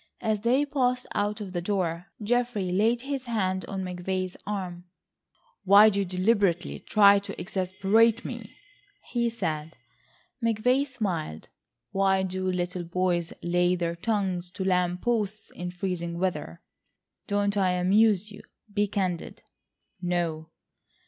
As they passed out of the door, Geoffrey laid his hand on McVay's arm. "Why do you deliberately try to exasperate me?" he said. McVay smiled. "Why do little boys lay their tongues to lamp posts in freezing weather? Don't I amuse you? Be candid." "No."